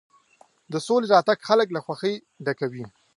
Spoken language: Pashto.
د سولې راتګ خلک له خوښۍ ډکوي.